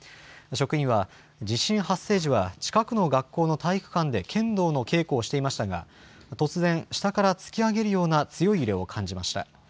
職員は、地震発生時は、近くの学校の体育館で剣道の稽古をしていましたが、突然、下から突き上げるような強い揺れを感じました。